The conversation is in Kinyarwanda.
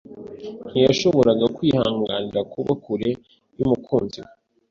Ntiyashoboraga kwihanganira kuba kure yumukunzi we.